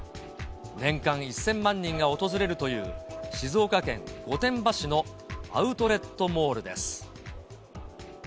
年間１０００万人が訪れるという、静岡県御殿場市のアウトレットモールです。